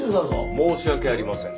申し訳ありません。